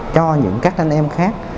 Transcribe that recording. cho những các anh em khác